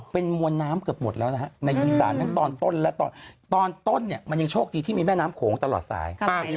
เป็นมวลน้ำเกือบหมดแล้วนะฮะในอีสานทั้งตอนต้นและตอนต้นเนี่ยมันยังโชคดีที่มีแม่น้ำโขงตลอดสาย